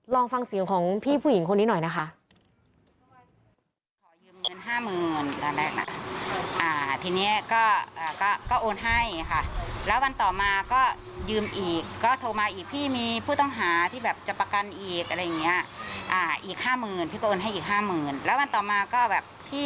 ลองฟังเสียงของพี่ผู้หญิงคนนี้หน่อยนะคะ